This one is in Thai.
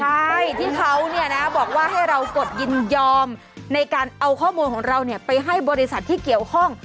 ใช่ที่เขาเนี่ยนะบอกว่าให้เรากดยินยอมในการเอาข้อมูลของเราไปให้บริษัทที่เกี่ยวข้อง